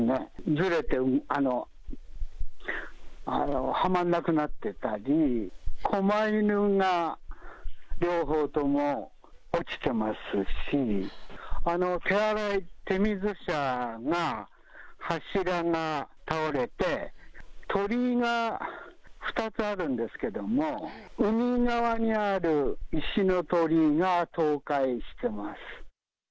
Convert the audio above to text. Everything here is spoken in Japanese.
ずれて、はまんなくなってたり、こま犬が両方とも落ちてますし、手洗い、手水舎が柱が倒れて、鳥居が２つあるんですけども、海側にある石の鳥居が倒壊してます。